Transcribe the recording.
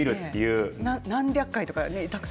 何百回とか。